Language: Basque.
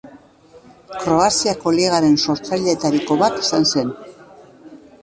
Kroaziako Ligaren sortzaileetariko bat izan zen.